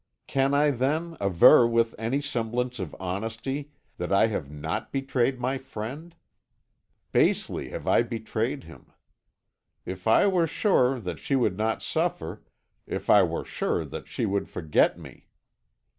"Can I then, aver with any semblance of honesty that I have not betrayed my friend? Basely have I betrayed him. "If I were sure that she would not suffer if I were sure that she would forget me!